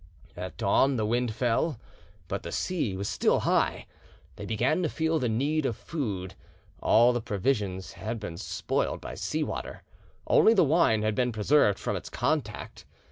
At dawn the wind fell, but the sea was still high. They began to feel the need of food: all the provisions had been spoiled by sea water, only the wine had been preserved from its contact.